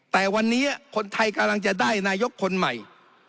แต่วันนี้คนไทยกำลังจะได้นายกคนใหม่